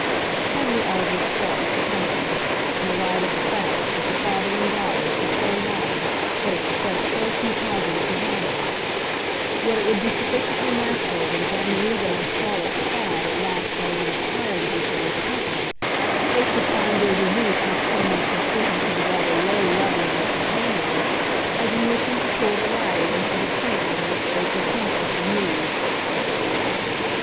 Funny all this was, to some extent, in the light of the fact that the father and daughter, for so long, had expressed so few positive desires; yet it would be sufficiently natural that if Amerigo and Charlotte HAD at last got a little tired of each other's company they should find their relief not so much in sinking to the rather low level of their companions as in wishing to pull the latter into the train in which they so constantly moved.